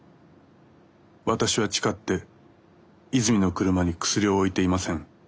「私は誓って泉の車にクスリを置いていません。